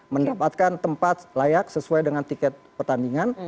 mendapatkan tempat layak sesuai dengan tiket pertandingan